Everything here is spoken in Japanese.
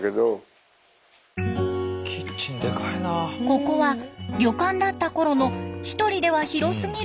ここは旅館だったころの一人では広すぎるキッチン。